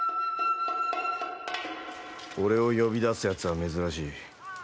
俺を呼び出すやつは珍しい。